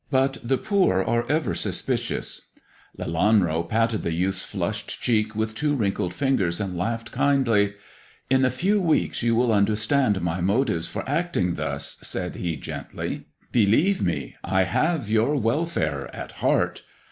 But the poor are ever suspicious." Lelanro patted the youth's flushed cheek with two wrinkled fingers, and laughed kindly. " In a few weeks you will understand my motives for acting thus," said he gently ;" believe me, I have your welfare at heart.